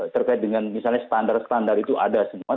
terkait dengan misalnya standar standar itu ada semua